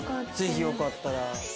ぜひよかったら。